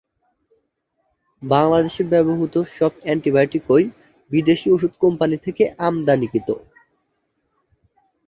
বাংলাদেশে ব্যবহূত সব অ্যান্টিবায়োটিকই বিদেশি ঔষধ কোম্পানি থেকে আমদানিকৃত।